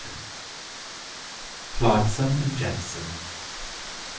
387 FLOTSAM AND JETSAM.